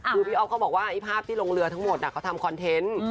คือพี่อ๊อฟเขาบอกว่าไอ้ภาพที่ลงเรือทั้งหมดเขาทำคอนเทนต์